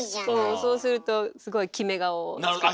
そうするとすごいキメ顔を作る。